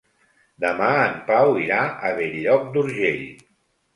Demà en Pau irà a Bell-lloc d'Urgell.